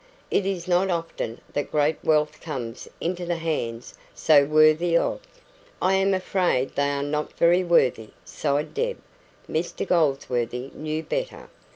It is not often that great wealth comes into hands so worthy of it." "I am afraid they are not very worthy," sighed Deb. Mr Goldsworthy knew better.